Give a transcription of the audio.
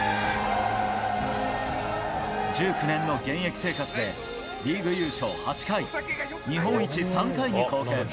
１９年の現役生活でリーグ優勝８回、日本一３回に貢献。